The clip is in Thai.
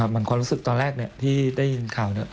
มันความรู้สึกตอนแรกที่ได้ยินข่าว